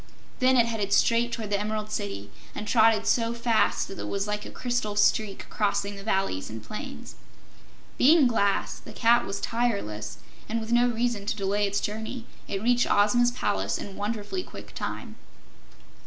Then it headed straight toward the Emerald City, and trotted so fast that it was like a crystal streak crossing the valleys and plains. Being glass, the cat was tireless, and with no reason to delay its journey, it reached Ozma's palace in wonderfully quick time.